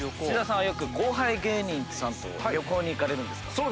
土田さんはよく後輩芸人さんと旅行に行かれるんですか？